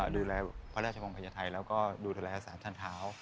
ก็ดูแลพระราชงภัยไทยแล้วก็ดูแลอาสารท่านท้าว